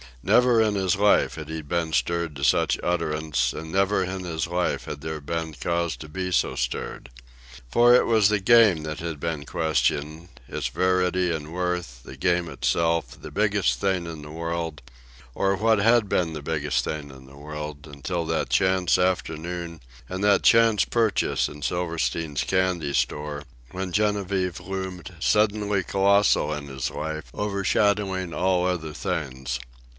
Never in his life had he been stirred to such utterance, and never in his life had there been cause to be so stirred. For it was the Game that had been questioned, its verity and worth, the Game itself, the biggest thing in the world or what had been the biggest thing in the world until that chance afternoon and that chance purchase in Silverstein's candy store, when Genevieve loomed suddenly colossal in his life, overshadowing all other things.